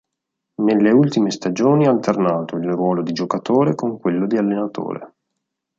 Nelle ultime stagioni ha alternato il ruolo di giocatore con quello di allenatore.